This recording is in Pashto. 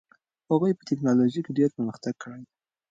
هغوی په ټیکنالوژۍ کې ډېر پرمختګ کړی دي.